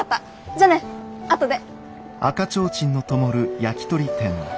じゃあねあとで。